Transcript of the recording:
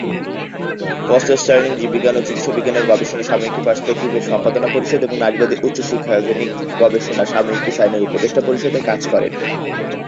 Fausto-Sterling জীববিজ্ঞান ও চিকিৎসাবিজ্ঞানের গবেষণা সাময়িকী "পারস্পেকটিভ"-এর সম্পাদনা পরিষদ এবং নারীবাদী উচ্চশিক্ষায়তনিক গবেষণা সাময়িকী "সাইন"- এর উপদেষ্টা পরিষদে কাজ করেন।